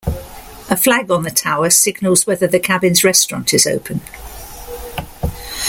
A flag on the tower signals whether the cabin's restaurant is open.